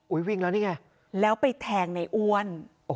วิ่งแล้วนี่ไงแล้วไปแทงในอ้วน